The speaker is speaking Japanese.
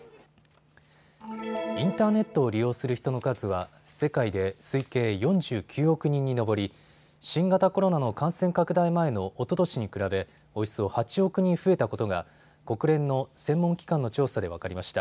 インターネットを利用する人の数は世界で推計４９億人に上り新型コロナの感染拡大前のおととしに比べおよそ８億人増えたことが国連の専門機関の調査で分かりました。